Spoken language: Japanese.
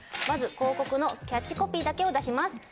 まず広告のキャッチコピーだけを出します。